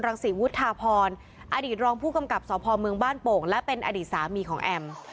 ศรีวุฒาพรอดีตรองผู้กำกับสพเมืองบ้านโป่งและเป็นอดีตสามีของแอม